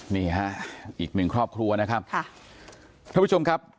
นี่อีกหมื่นครอบครัวนะครับค่ะ